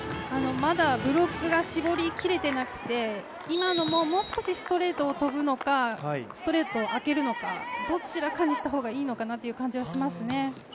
まだブロックが絞りきれてなくて今のももう少しストレートを跳ぶのか、ストレートをあけるのかどちらかにした方がいいのかなという感じはしますね。